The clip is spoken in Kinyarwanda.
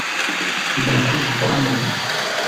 ibipfunyikwamo